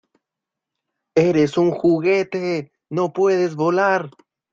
¡ Eres un juguete! ¡ no puedes volar !